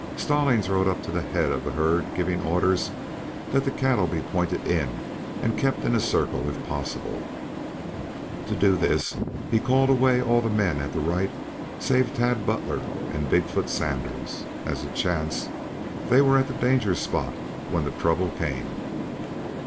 Stallings rode up to the head of the herd giving orders that the cattle be pointed in and kept in a circle if possible. To do this he called away all the men at the right save Tad Butler and Big foot Sanders. As it chanced, they were at the danger spot when the trouble came.